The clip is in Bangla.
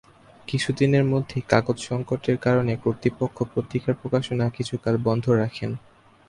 কিছুদিনের মধ্যেই কাগজ সংকটের কারণে কর্তৃপক্ষ পত্রিকার প্রকাশনা কিছুকাল বন্ধ রাখেন।